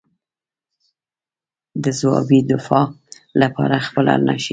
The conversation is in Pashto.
د ځوابي دفاع لاره خپله نه شي.